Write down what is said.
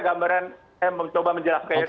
gambaran emang coba menjelaskannya